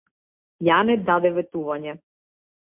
Јане даде ветување.